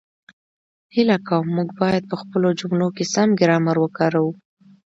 هیله کووم، موږ باید په خپلو جملو کې سم ګرامر وکاروو